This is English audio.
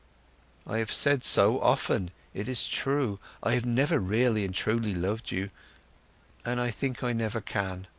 "I have said so, often. It is true. I have never really and truly loved you, and I think I never can."